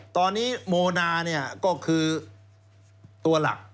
ตอนนี้โมนาก็คือตัวหลัก